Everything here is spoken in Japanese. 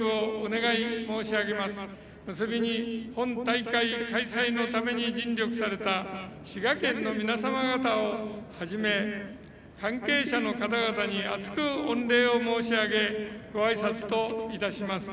結びに本大会開催のために尽力された滋賀県の皆様方をはじめ関係者の方々に厚く御礼を申し上げご挨拶といたします。